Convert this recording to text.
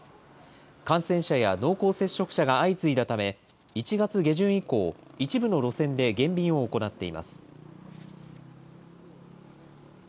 感染者や濃厚接触者が相次いだため、１月下旬以降、一部の路線で減便を行っています。